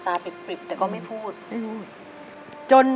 ไม่ได้ทิ้ง